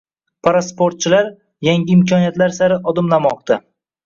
Parasportchilar “Yangi imkoniyatlar sari” odimlamoqdang